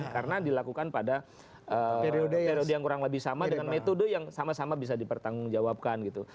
karena dilakukan pada periode yang kurang lebih sama dengan metode yang sama sama bisa dipertanggung jawabkan gitu